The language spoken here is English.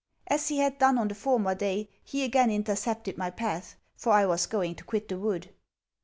As he had done on the former day, he again intercepted my path; for I was going to quit the wood.